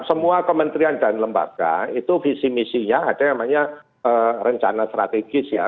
semua kementerian dan lembaga itu visi misinya ada yang namanya rencana strategis ya